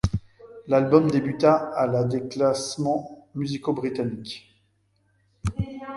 L'album débuta à la des classements musicaux britanniques.